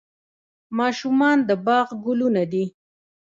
ماشومان د باغ ګلونه دي